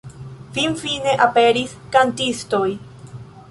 Finfine aperis kantistoj.